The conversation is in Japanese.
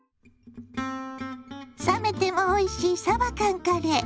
冷めてもおいしいさば缶カレー。